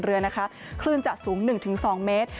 เสทวิทยาคมซึ่ง๑๒เมตร